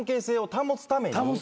保つためにや。